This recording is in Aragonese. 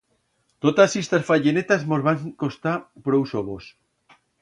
Totas istas fayenetas mos van costar prous sobos.